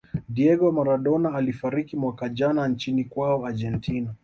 diego maradona alifariki mwaka jana nchini kwao argentina